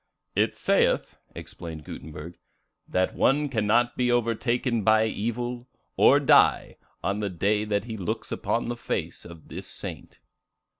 "It saith," explained Gutenberg, "that one cannot be overtaken by evil, or die, on the day that he looks upon the face of this saint."